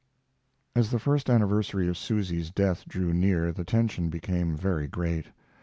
As the first anniversary of Susy's death drew near the tension became very great.